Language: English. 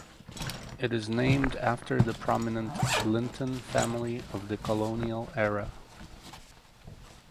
It is named after the prominent Linton family of the colonial era.